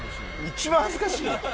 一番恥ずかしいやん！